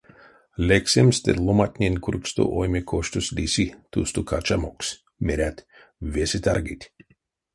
Лексемстэ ломантнень кургсто ойме коштось лиси тусто качамокс, мерят, весе таргить.